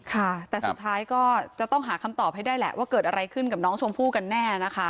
ค่ะแต่สุดท้ายก็จะต้องหาคำตอบให้ได้แหละว่าเกิดอะไรขึ้นกับน้องชมพู่กันแน่นะคะ